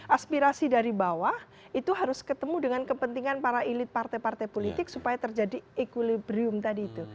aspirasi dari bawah itu harus ketemu dengan kepentingan para elit partai partai politik supaya terjadi equilibrium tadi itu